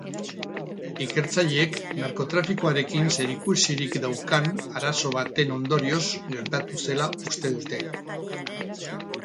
Ikertzaileek narkotrafikoarekin zerikusirik daukan arazo baten ondorioz gertatu zela uste dute.